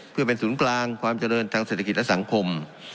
เพื่อเป็นศูนย์กลางความเจริญทางเศรษฐกิจและสังคม